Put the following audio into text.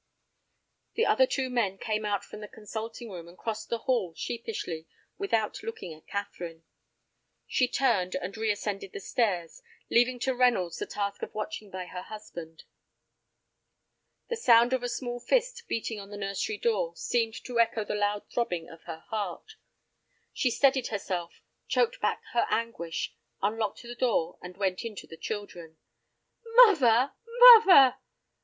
The other two men came out from the consulting room, and crossed the hall sheepishly, without looking at Catherine. She turned, and reascended the stairs, leaving to Reynolds the task of watching by her husband. The sound of a small fist beating on the nursery door seemed to echo the loud throbbing of her heart. She steadied herself, choked back her anguish, unlocked the door, and went in to her children. "Muvver, muvver!"